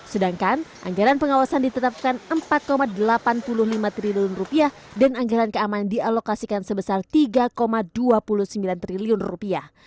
sedangkan anggaran pengawasan ditetapkan empat delapan puluh lima triliun rupiah dan anggaran keamanan dialokasikan sebesar tiga dua puluh sembilan triliun rupiah